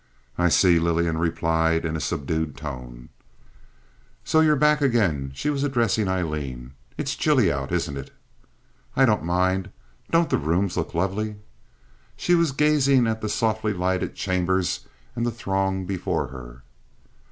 "I see," Lillian replied, in a subdued tone. "So you're back again." She was addressing Aileen. "It's chilly out, isn't it?" "I don't mind. Don't the rooms look lovely?" She was gazing at the softly lighted chambers and the throng before her.